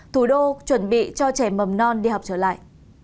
thủ đô chuẩn bị cho trẻ mầm non đi học trở lại